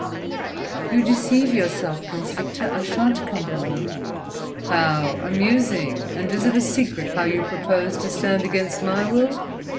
"You deceive yourself, Prince Victor. I shan't accompany you." "How amusing! And is it a secret, how you propose to stand against my will?"